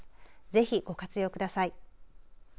ぜひ、ご活用ください。